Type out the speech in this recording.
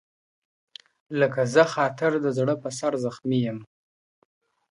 لکه زهٔ خاطر د زړه پهٔ سر زخمي یم